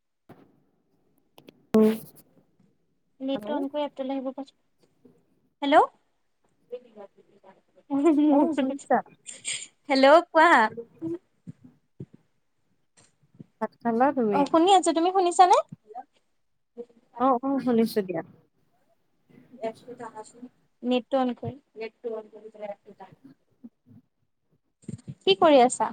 [inaudible] নেটটো hello on কৰি এপটোলৈ আহিব কোৱাচোন। হেল্ল', হে কিবা অ কিবি গান। শুনিছা [unintelligible] হেল্ল কোৱা। ভাত? খালা অ তুমি শুনি আছো তুমি শুনিছানে? অ হ শুনিছো দিয়া এপটোত আহাচোন নেট টো অন কৰিম, নেট টো অফ কৰি থৈ আহগৈচোন জা, কি কৰি আছা।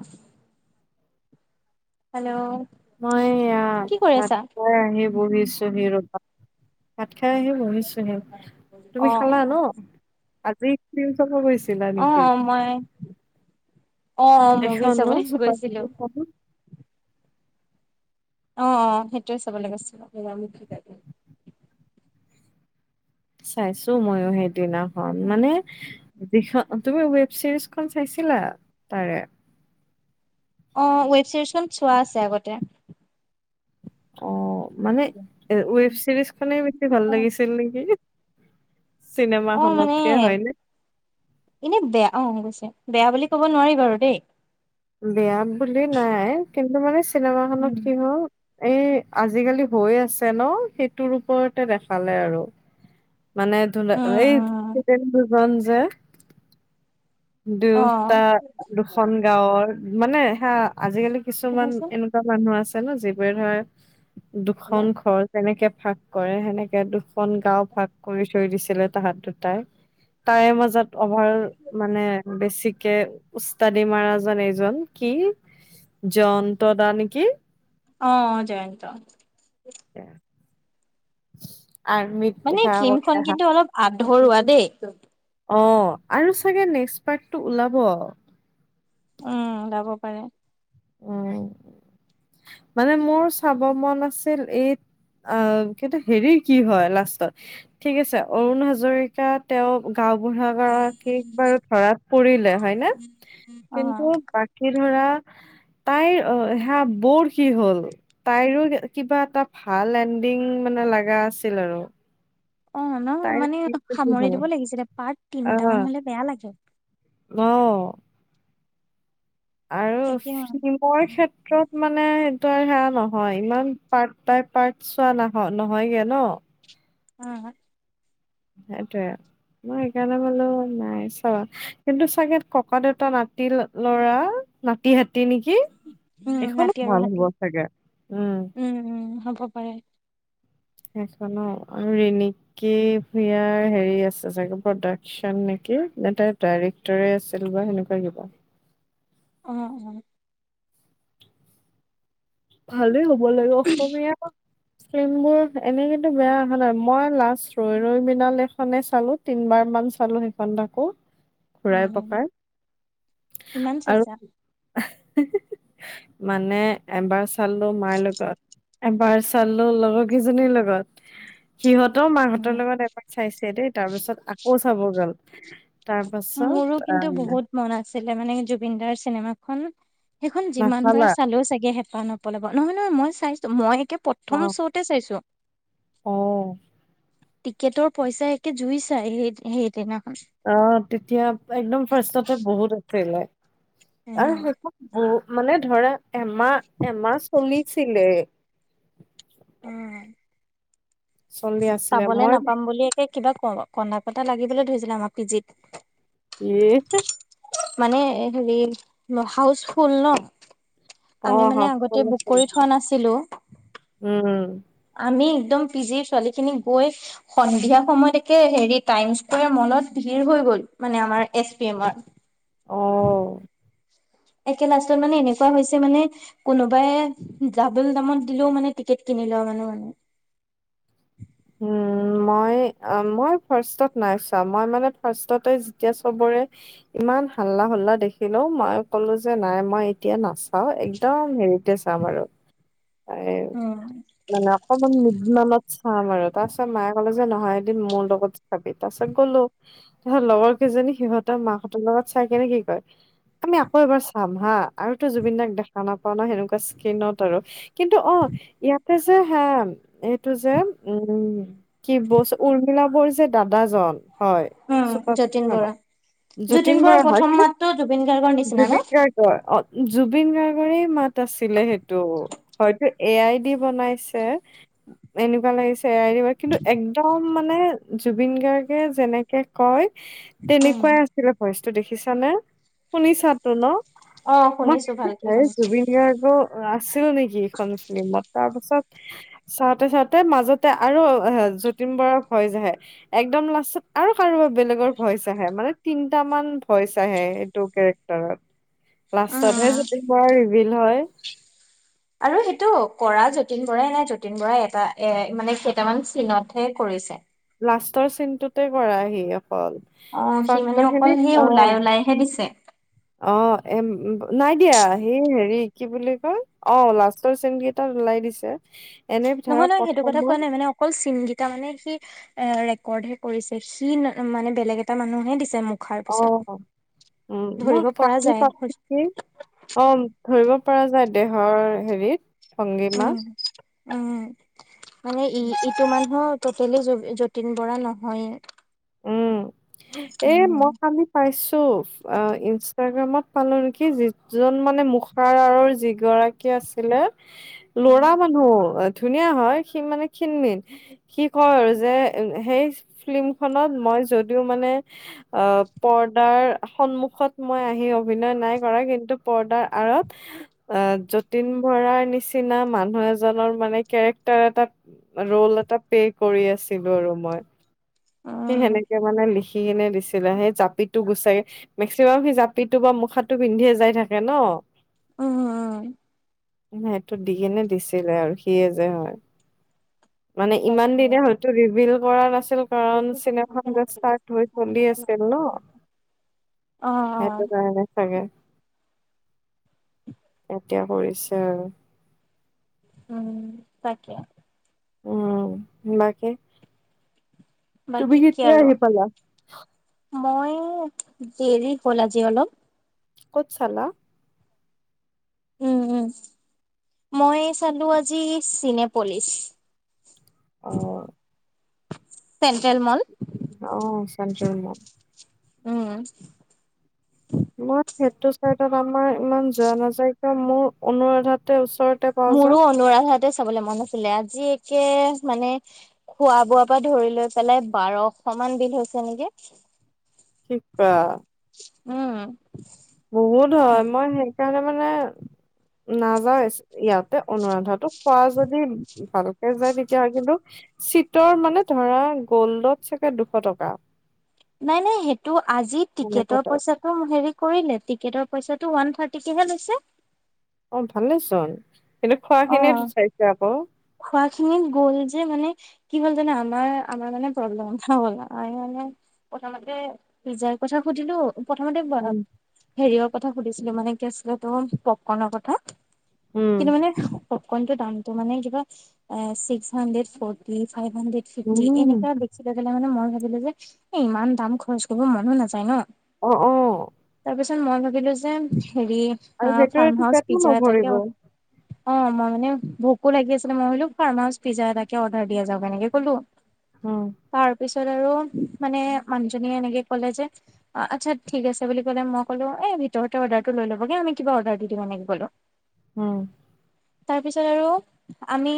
হেল্ল' মই এইয়াত কি কৰি ভাত আছা? খাই আহিম। বহিছোহি ৰবা, ভাত খাই আহি বহি। চোহেল তুমি অ খালা ন, আজি ফিল্ম চাব গৈছি। অ অ মই অ অঁ মভি এখন ন চাবলে চুপা গৈছিলো। চুপি খন অ অ সেইটোয়ে চাবলে গৈছিল। চাইছো মইয়ো হেত দিনাখন মানে যিখ তুমি ৱেব চিৰিজ খন চাইছিলা তাৰে, অ ৱেব ছিৰিজখন চোৱা আছে আগতে। অ মানে এ ৱেব চিৰিজ খনে বেছি ভাল লাগিছিল নেকি? চিনেমা অ মানে, খনতকে হয়নে এনেব বেয়া অ গৈছে। বেয়া বুলি ক'ব নোৱাৰি বাৰু দেই বেয়াব বুলি নাই কিন্তু মানে চি, চিনেমা খনত উম। কিনো আও এ আজিকালি হৈ আছে ন, সেইটোৰ ওপৰতে দেখালে আৰু মানে এইটো না উম উম হেইটো ডেংগু ৰঞ্জুৱে অ দুয়োটা দুখন গাঁৱৰ, মানে হা? আজিকালি কিছুমান সুধাচোন এনেকুৱা মানুহ আছে। জানো যি বোৱে ধৱে দুখন ঘৰ যেনেকে, ভাগ কৰে হেনেকে দুখন গাও ভাগ কৰি থৈ দিছিলে তাহাঁত দুটাই তাৱে মাজত- অভাৰ বেছিকে উস্তাদি মাৰাজন এইজন কি, জন্ত্ৰ দা নেকি। অ', জয়ন্ত। [unintelligible] মানে সেয়া কৰি ফিল্মখন আহা কিন্তু অলপ আ ধৰৱা দেই। অ', আৰু চাগে নেক্স পাৰ্টো ওলাব। উম, যাব পাৰে। উ, মানে মোৰ চাব মন আছিল, এই আহ কিন্তু হেৰিৰ কি হয় লাষ্টত, ঠিক আছে অৰুণ হাজৰিকা তেওঁ গাওবুঢ়া গৰাকীক বাৰু ধৰাত পৰিলে হয় নে? অ কিন্তু বাকী ধৰা [unintelligible] তাইৰ সেয়া বৰ কি হ'ল, তাইৰো কিবা এটা ভাল লেণ্ডিং মানে লাগা আছিল আৰু। অ', ন, তাইৰ মানে এণ্ডিংটো কি সামৰি হয় দিব লাগিছিলে পাৰ্ট তিনটামান অ হলে বেয়া লাগে। অ আৰু তাকে অ ফিল্ম ক্ষেত্ৰত মানে ত, সেয়া নহয়, ইমান পাৰ্ত বাই পাৰ্ত চোৱা নয় নহয়গে ন। অ'। সেইটোয়ে, মই সেইকাৰণে বোলো নাই চাবা, কিন্তু চাগে ককা, দেউতা, নাতি, লৰা, নাতিহ টি নেকি, উম এখনো নাতি আৰু ভাল হাতী হ'ব চাগে, উম। ক পাৰে। সেইখন অ', ৰিণিকি ভূঞাৰ হেৰি আছে চাগে, প্ৰডাকচন নেকি ন তাই ডাইৰেক্টৰে আছিল বা সেনেকুৱা কিবা। উম উম। ভালে হব ব লাগিব অসমীয়া ফ্ৰেম বোৰ এনেকো বেয়া অহা নাই, মই লাষ্ট ৰৈ ৰৈ বিনালে খনে চালো, তিনবাৰ মান চালো সেইখন তাকো। ঘূৰাই উম পকাই, কিমান আৰু চাইছা মানে এবাৰ চালো মাৰ লগত, এবাৰ চালো লগৰ কেইজনীৰ লগত। সিহঁতও মাহঁতৰ উম লগত এবাক চাইছে দেই। তাৰ পিছত আকৌ চাব গ'ল। তাৰ পাছত মোৰো কিন্তু আহ বহুত মন আছে ছিলে মানে, জুবিন দাৰ চিনেমাখন সেইখন যিমান নাচালা বাৰ চালেও চাগে হেঁপাহ নপলাব, নহয় নহয় মই চাই মই কে প্ৰথম শ্বতে চাইছো। অহ। টিকেটৰ পইচা একে জুই চাই সেই- সেইদিনাখন। অ', তেতিয়া একদম ফাৰ্ষ্টতে বহুত আছিলে। আৰু উম সেইখন ব মানে ধৰা এমা- এমাহ চলিছিলে। উম। চলি আছিলে চাবলে মই নাপাম বুলি একে কিবা ক কন্দা-কটা লাগিবলৈ ধৰিছিলে আমাৰ পি জিত। য়ে মানে হেৰি হাউচফুল ন'? অ আমি মানে হস্পিটেল আগতে বুক আছিলে কৰি থোৱা নাছিলোঁ। উম আমি একদম পি জিৰ ছোৱালীখিনি গৈ সন্ধিয়া সময়তকে হেৰি টাইম স্কোৱেৰ মলত ভিৰ হৈ গ'ল, মানে আমাৰ এইচ পি এমৰ। অ'। একে লাষ্টত মানে এনেকুৱা হৈছে মানে, কোনোবাই ডাবল দামত দিলেও মানে টিকেট কিনি লোৱা মানুহ [inaudible] উম, মই- উম মই ফাৰ্ষ্টত নাই চোৱা। মই মানে ফাৰ্ষ্টততে যেতিয়া চবৰে ইমান হাল্লা-হোল্লা দেখিলোঁ, মই ক'লো যে নাই মই এতিয়া নাচ অ একদম হেৰিতে চাম আৰু। এ উম মানে অকমান চাম আৰু ত কলে যে নহয় এদিন মোৰ লগত চাবি তাৰ পিছত গ'লো। তাৰপিছত লগৰ কেইজনী সিহঁতৰ মাহঁতৰ লগত চাই কেনে কি কয় আমি আকৌ এবাৰ চাম হা। আৰুতো জুবিন দাক দেখা নাপা সেনেকুৱা স্কিনত আৰু কিন্তু অ ইয়াতে যে হা এইটো যে উম কি বছ উৰ্মিলা যে দাদাজন হয় উম যতীন বৰা যতীন বৰা হয় প্ৰথম কি মাতটো জুবিন গাৰ্গৰ নিচিনা ন? জুবিক গাৰ্গ জুবিন গাৰ্গৰেই মাত আছিলে সেইটো। হয়তো এ আই ডি বনাইছে এনেকুৱা লাগিছে কিন্তু একদম মানে জুবিন গাৰ্গে যেনেকে কয় উম তেনেকুৱাই আছিলে ভয়চ দেখিছা নে শুনিছা তো ন। অ মই শুনিছো ভালকে শুনিছো। জুবিন গাৰ্গ আঁচনি এইখন ফিল্মত তাৰ পাছত চাওঁতে চাওঁতে মাজতে আৰু যতীন বৰাৰ ভইচ আহে একদম লাষ্টত আৰু কাৰোবাৰ বেলেগৰ ভইচ আহে মানে তিনটামান ভইচ আহে সটো কেৰেক্টাৰত উম লাষ্টতহে উম যতীন বৰা ৰিভিল হয়। আৰু সেইটো কৰা যতীন বৰাই নে যতীন বৰাই এটা এ মানে কেইটামান চিনতহে কৰিছে। লাষ্টৰ চিনটোতে কৰা আহি অ সি মানে অকল সেই ওলাই ওলাইহে দিছে [unintelligible] নাই দিয়া সি হেৰি কি বুলি কয়, অঁ লাষ্টৰ চিনকেইটাত ওলাই দিছে, এনে ধৰা নহয় - নহয় সেইটো কথা কোৱা প্ৰথমত নাই মানে অকল চিনগেইটা মানে সি এ ৰেকৰ্ডহে কৰিছে সি মানে বেলেগ এটা মানুহে দিছে মোক। অহ ' উম, মই পৰা কি যায় প নেকি অহ ' ধৰিব [unintelligible] পৰা যায় দেহৰ হেৰিত। ভংগিমা। উম উম। মানে ই ইটো মানুহৰ। তেটেলি যতীন বৰা নহয়ে। উম, এ মই কালি পাইছো এহ ইনষ্টা ত ইনষ্টাগ্ৰামত পালো নেকি যিজন মানে মুখাৰাৰৰ যিগৰাকী আছিলে। উম লৰা মানু্হ। ধুনীয়া হয়, সি মানে ক্ষীণমিন। সি কয় আৰু যে সেই ফিল্ম। খনত মই যদিও মানে অহ' পৰ্দাৰ সন্মুখত মই আহি অভিনয় নাই কৰা। কিন্তু পৰ্দাৰ আৰত যতীন বৰাৰ নিচিনা মানুহ এজনৰ মানে কেৰেক্টাৰ এটা ৰল এটা প্লে কৰি আছিলো আৰু মই। সেই উম সেনেকে মানে লিখি। কিনি দিছিলে। সেই জাপিটো গুচাই মেক্সিমাম সেই জাপিটো বা মুখাটো পিন্ধিয়ে যাই থাকে নহ। উম, সেইটো দি কিনে দিছিলে আৰু সিয়ে যে হয়। মানে ইমান তাকে দিনে হয়তো ৰিবিল। পৰা নাছিলো। দিছিল কাৰণ। বেছি সৰু চিনেমাখন সৰুকে যে ষ্টাৰ্ট হৈ চলি আছিল নহ, নাপাতিবা অ অ সেইটো কাৰণে চাগে। এটা। এতিয়া কৰিছে আৰু। উম, তাকে। উম, বাকি। তুমি বাকী কি কেতিয়া আৰু আহি পালা। মই দেৰি হ'ল আজি অলপ। ক'ত চালা। উম-উম মই চালো আজি চিনেপলিছ। অ [inaudible] চেণ্ট্ৰেল মল। অহ' চেণ্ট্ৰেল মল। উম। মই সেইটো চাইডত আমাৰ ইমান যোৱা নাযায় কিয় মোৰ অনুৰাধাতে ওচৰ। ওচৰতে পাও যে। তাতে চাবলৈ মন আছিলে আজি একে মানে খোৱা বোৱাৰ পৰা ধৰি লৈ পেলাই বাৰশ মান বিল হৈছে নেকি। ই, বাঁ উম, বহুত হয় মই সেইকাৰণে, মানে নাযা ইয়াতে অনুৰাধাটো পোৱা যদি ভালকে যায় তেতিয়া কিন্তু চীটৰ মানে ধৰা গল্ডত চাগে দুশ টকা নাই নাই সেইটো আজি সেনেকুৱা টিকেটৰ টাইপ পইচাটো হেৰি কৰিলে টিকেট পইচাটো ওৱান থাৰ্টিকেহে লৈছে, অ ভালেচোন, অ খোৱাখিনি গ'ল যে মানে, কি হ'ল জানো আমাৰ আমাৰ মানে প্ৰব্লেম হ'ল আ মানে প্ৰথমতে পজাই কথা সুধিলো, প্ৰথমতে উম হেৰিওৰ কথা, সুধিছিলো মানে কি আছিলে তো পপকৰ্নৰ কথা, উম! পব কনটোৰ দামটো মানে কিবা six hundred forty five hundred fifty um এনেকুৱ দেখিলে মানে মই, ভাবিলে যে এ ইমান দাম খৰচ কৰিব মনো নাযায় ন অ অ তাৰ মই পিছত ভাবিলো যে, হেৰি আৰু ফাৰ্ম সেইটোৱেটো হাউচ পেটো পিজ্জা এটাকে নভৰিব অ মই মানে ভোকো লাগি আছিল মই ভাবিলো ফাৰ্ম হাউচ পিজ্জা এটাকে অৰ্ডাৰ দিয়া যাওঁক কেনেকে ভাবিলো। উম তাৰ পিছত আৰু মানে মানুহজনীয়ে এনেকে কলে যে আটচ্ছা ঠিক আছে বুলি কলে মই কলো এ ভিতৰতে অৰ্ডাৰটো লৈ লব, উম, তাৰ পিছত আৰু আমি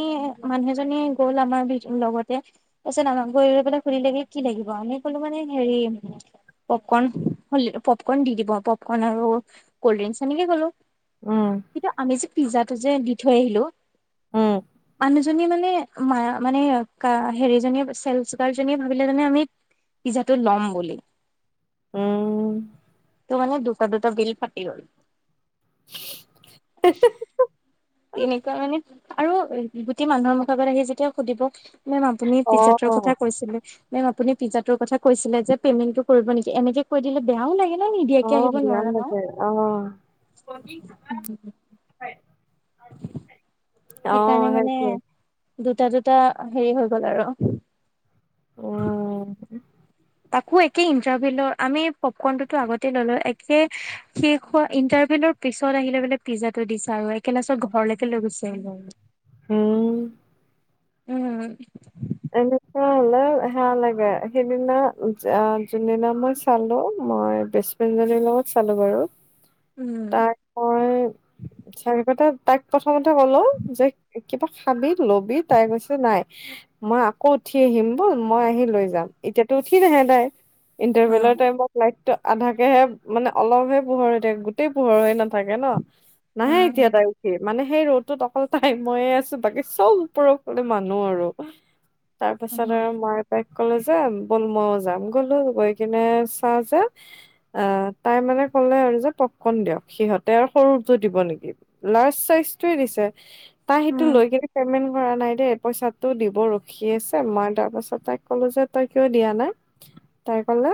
মানুহজনী গল আমাৰ লগতে তাৰ পিছত আমাক গৈ সুধিলে পেলাই সুধিলে কি লাগিব আমি ক'লো মানে হেৰি পপকৰ্ন পপকৰ্ণ দি দিব পপকৰ্ন আৰু কল্ড ড্ৰিংক এনেকে কলো, উম কিন্তু আমি যে পিজ্জাটো যে দি থৈ আহিলো উম আ [unintelligible] নি মানুহজনী মানে মানে হেৰি জনীয়ে চেল গাৰ্ড জনীয়ে ভাবিলে জানে আমি পিজ্জাটো লম বুলি- উম! ত মানে দুটা দুটা বিল ফাটি গল। [unintelligible] তেনেকুৱা মানে আৰু গোটেই মানুহৰ মুখৰ পৰা যেতিয়া সুধিব মেম আপুনি অ পিজ্জাটোৰ কথা কৈছিলে। মেম আপুনি পিজাটোৰ কৈছিলে যে পে'মেণ্টটো কৰিব নেকি এনেকে কৈ দিলে বেয়াও লাগে। ন নিদিয়াকে অঁ আহিব বিয়াম নোৱাৰা ন আছে অঁ, [unintelligible] অঁ সেইকাৰণে মানে সেইটোৱে, দুটা দুটা হেৰি হৈ গল আৰু উঃ উম। তাকো একে ইণ্টাৰভিউ আমি পপকনতো ত আগতে ললো, একে শেষ হোৱা ইণ্টাৰভিউৰ পিছত আহ বলে পিজ্জাটো দিছা এক লাত ঘৰলৈকে লৈ গ আহ হম,, উম। এনেকুৱা হলে সেয়া লাগে সেইদিনা যোনদিনা মই চালো মই বেষ্ট্ৰ ফ্ৰেন্ড জনীৰ লগত চালো বাৰু। উম তাৰ মই চাৰিখতা তাইক প্ৰথমতে কলো যে কিবা খাবি লবি তাই কৈছে নাই মই আকৌ উঠি আহিম, বল মই আহি লৈ যাম এতিয়াতো উঠি নাহে তাই অ ইণ্টাৰভেলৰ টাইমত লাইটটো- আধাকেহে মানে অলপহে পোহৰ হৈ থাকে গোটেই পোহৰ হয় না থাকে ন, নাহে উম এতিয়া তাই উঠি। মানে, সেই ৰ'দত অকল তাই মইয়ে আছো, বাকী চব ওপৰৰ ফালে মানুহ আৰু। অহ। তাৰ পাছত উম আৰু [unintelligible] কলে যে বল ময়ো যাম, গলো গৈ কিনে চা যে আহ তাই মানে কলে আৰু যে পপ'কন দিয়ক। সিহঁতে আৰু সৰুটো দিব নেকি লাৰ্জ চাইজটোৱে দিছে। তাই সেইটো উম লৈ কেনে পেমেণ্ট কৰা নাই দেই। পইচা টো দিব ৰখি আছে, মই তাৰ পাছত তাইক ক'লো যে তই কিয় দিয়া নাই। তাই কলে